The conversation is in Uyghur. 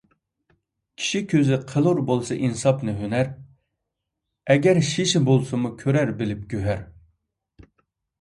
كىشى كۆزى قىلۇر بولسا ئىنساپنى ھۈنەر، ئەگەر شېشە بولسىمۇ كۆرەر بىلىپ گۆھەر.